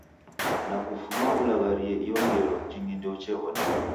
Na kufuma ulagharie iyo ngelo jingi ndouchew'oneka.